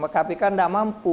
kpk tidak mampu